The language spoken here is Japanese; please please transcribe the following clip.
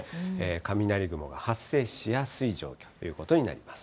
雷雲が発生しやすい状況ということになります。